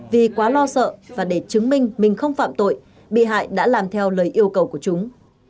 vì quá lo sợ và để chứng minh mình không phạm tội bị hại đã làm theo lời yêu cầu của chúng